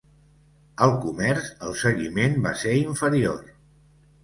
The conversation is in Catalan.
Al comerç, el seguiment va ser inferior.